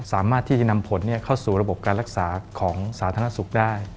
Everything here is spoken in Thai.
สามารถที่จะนำผลเข้าสู่ระบบการรักษาของสาธารณสุขได้